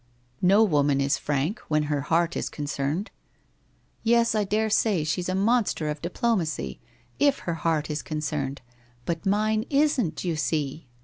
' No woman is frank when her heart is concerned.' ' Yes, I daresay she's a monster of diplomacy, if her heart is concerned. But mine isn't, you see.